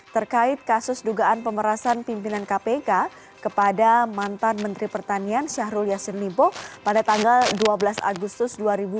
terkait kasus dugaan pemerasan pimpinan kpk kepada mantan menteri pertanian syahrul yassin limpo pada tanggal dua belas agustus dua ribu dua puluh